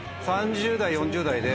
３０代４０代で。